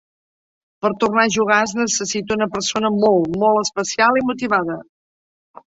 Per tornar a jugar, es necessita una persona molt, molt especial i motivada.